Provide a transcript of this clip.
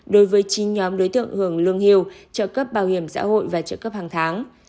đối với chín nhóm đối tượng hưởng lương hưu trợ cấp bảo hiểm xã hội và trợ cấp hàng tháng